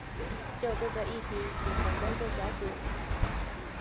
就各個議題組成工作小組